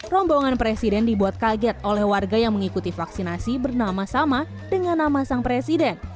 rombongan presiden dibuat kaget oleh warga yang mengikuti vaksinasi bernama sama dengan nama sang presiden